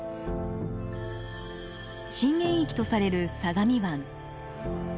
震源域とされる相模湾。